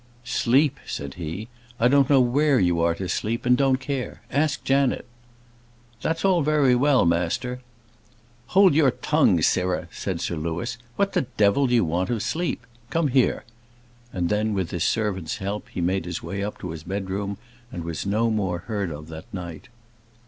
"Sleep," said he, "I don't know where you are to sleep, and don't care; ask Janet." "That's all very well, master " "Hold your tongue, sirrah!" said Sir Louis. "What the devil do you want of sleep? come here," and then, with his servant's help, he made his way up to his bedroom, and was no more heard of that night.